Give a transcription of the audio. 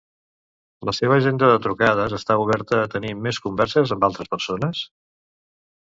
La seva agenda de trucades està oberta a tenir més converses amb altres persones?